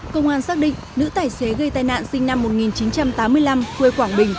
công an xác định nữ tài xế gây tai nạn sinh năm một nghìn chín trăm tám mươi năm quê quảng bình